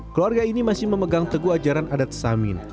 keluarga ini masih memegang teguh ajaran adat samin